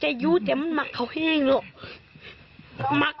อาทิตย์นึงอาทิตย์นึง